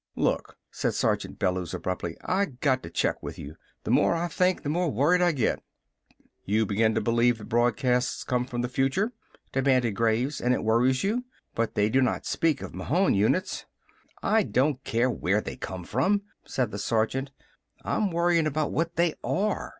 "Look!" said Sergeant Bellews abruptly. "I got to check with you. The more I think, the more worried I get." "You begin to believe the broadcasts come from the future?" demanded Graves. "And it worries you? But they do not speak of Mahon units " "I don't care where they come from," said the sergeant. "I'm worryin' about what they are!